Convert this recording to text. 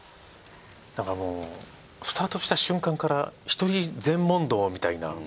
だからもうスタートした瞬間から１人禅問答みたいな。